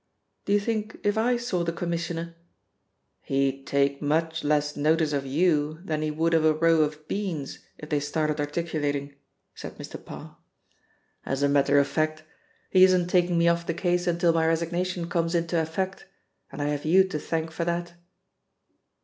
Do you think if I saw the Commissioner " "He'd take much less notice of you than he would of a row of beans if they started articulating," said Mr. Parr. "As a matter of fact, he isn't taking me off the case until my resignation comes into effect, and I have you to thank for that."